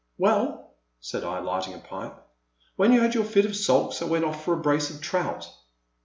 Well/* said I lighting a pipe, when you had your fit of sulks I went oflF for a brace of trout."